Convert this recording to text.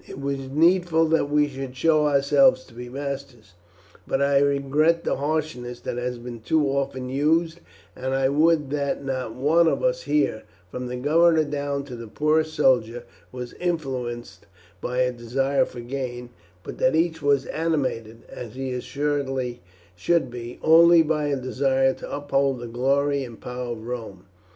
It was needful that we should show ourselves to be masters; but I regret the harshness that has been too often used, and I would that not one of us here, from the governor down to the poorest soldier, was influenced by a desire for gain, but that each was animated, as he assuredly should be, only by a desire to uphold the glory and power of Rome.